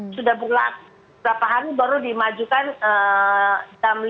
sudah bulat berapa hari baru dimajukan jam lima tiga puluh